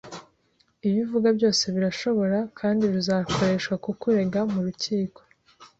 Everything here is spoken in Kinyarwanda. Ibyo uvuga byose birashobora kandi bizakoreshwa kukurega mu rukiko